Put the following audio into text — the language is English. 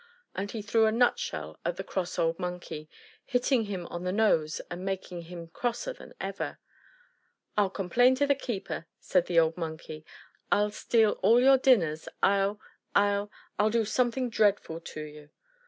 And he threw a nut shell at the cross old Monkey, hitting him on the nose and making him crosser than ever. "Ill complain to the keeper," said the old Monkey. "I'll steal all your dinners. I'll I'll I'll do something dreadful to you."